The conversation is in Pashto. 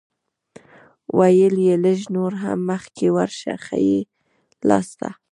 ویل یې لږ نور هم مخکې ورشه ښی لاسته.